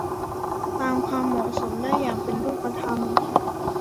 ตามความเหมาะสมได้อย่างเป็นรูปธรรม